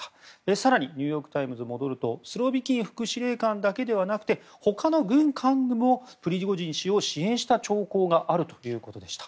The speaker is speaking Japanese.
更にニューヨーク・タイムズに戻るとスロビキン副司令官だけではなくて、他の軍幹部もプリゴジン氏を支援した兆候があるということでした。